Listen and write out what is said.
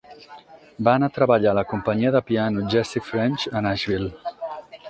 Va anar a treballar a la Companyia de Piano Jesse French a Nashville.